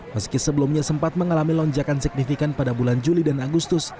meski sebelumnya sempat mengalami lonjakan signifikan pada bulan juli dan agustus